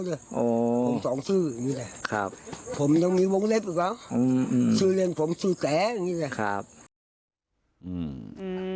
ผมสองชื่อผมยังมีวงเล็บอีกแล้วชื่อเรียงผมชื่อแก่